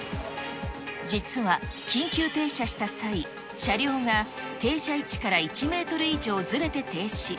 実は緊急停車した際、車両が停車位置から１メートル以上ずれて停止。